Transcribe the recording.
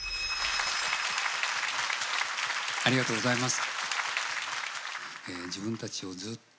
ありがとうございます。